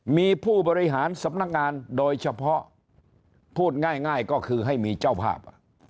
มีผู้บริหารสำนักงานโดยเฉพาะพูดง่ายก็คือให้มีเจ้าภาพ